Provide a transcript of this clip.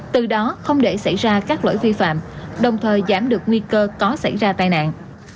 từ đó không để xảy ra các lỗi vi phạm đồng thời giảm được nguy cơ có xảy ra tai nạn